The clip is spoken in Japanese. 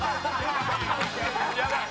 やばい！